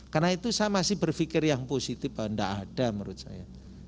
karena itu saya masih berpikir yang positif bahwa tidak ada menurut saya